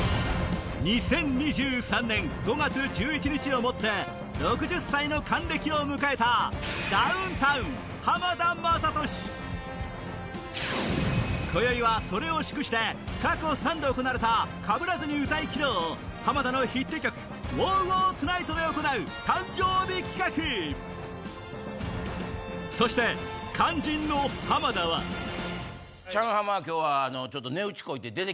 ２０２３年５月１１日をもって６０歳の還暦を迎えた今宵はそれを祝して過去３度行われた「かぶらずに歌い切ろう」を浜田のヒット曲『ＷＯＷＷＡＲＴＯＮＩＧＨＴ』で行う誕生日企画そして肝心のチャン浜は今日は。